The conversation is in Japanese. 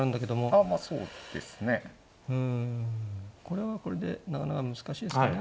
これはこれでなかなか難しいですね。